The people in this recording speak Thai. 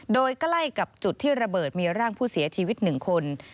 โดยใกล้กับจุดที่ระเบิดมีร่างผู้เสียชีวิต๑คน